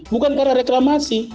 bukan karena reklamasi